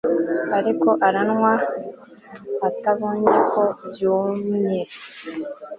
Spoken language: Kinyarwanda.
Ariko aranywa atabonye ko byumye